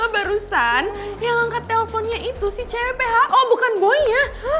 barusan yang ngangkat telfon nya itu si cpho bukan boynya